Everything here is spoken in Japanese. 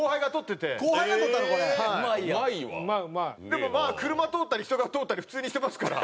でもまあ車通ったり人が通ったり普通にしてますから。